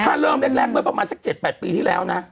มันก็เริ่มแล้วประมาณสัก๗๘ปีที่แล้วนะ